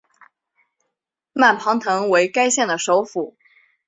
曼庞滕为该县的首府。